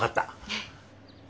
えっ？